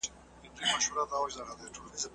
موږ بايد خپل عزت له بدو خلکو وساتو.